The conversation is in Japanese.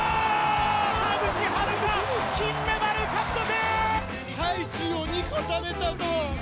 北口榛花、金メダル獲得。